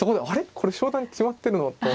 これ昇段決まってるのと思って。